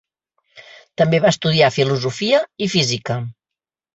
També va estudiar filosofia i física.